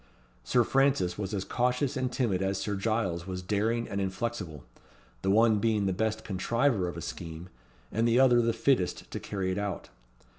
Sir Francis was as cautious and timid as Sir Giles was daring and inflexible: the one being the best contriver of a scheme, and the other the fittest to carry it out.